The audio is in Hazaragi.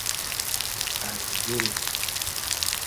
از دیل